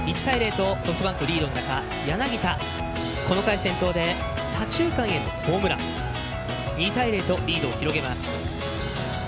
ソフトバンクリードの中柳田左中間へのホームラン２対０とリードを広げます。